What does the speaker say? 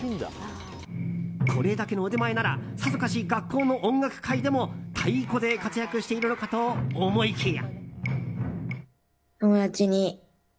これだけの腕前ならさぞかし学校の音楽会でも太鼓で活躍しているのかと思いきや。